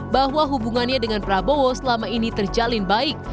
bahwa hubungannya dengan prabowo selama ini terjalin baik